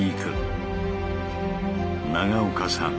長岡さん